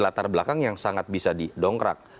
latar belakang yang sangat bisa didongkrak